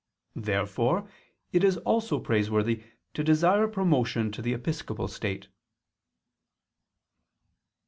Therefore it is also praiseworthy to desire promotion to the episcopal state.